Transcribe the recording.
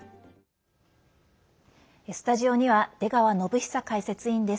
スタジオには出川展恒解説委員です。